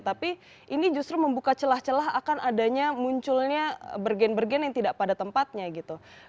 tapi ini justru membuka celah celah akan adanya munculnya bergen bergen yang tidak pada tempatnya gitu